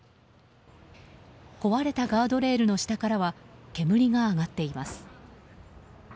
壊れたガードレールの下からは煙が上がっています。